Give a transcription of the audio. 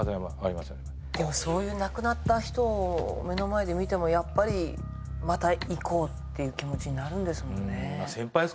そういう亡くなった人を目の前で見てもやっぱりまた行こうっていう気持ちになるんですもんね